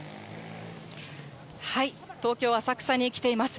東京・浅草に来ています。